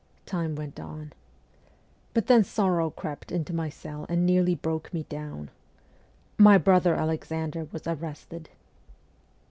Time went on. But then sorrow crept into my cell and nearly broke me down. My brother Alexander was arrested.